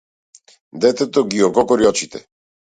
Детето ги ококори очите.